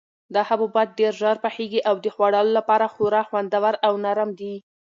دا حبوبات ډېر ژر پخیږي او د خوړلو لپاره خورا خوندور او نرم دي.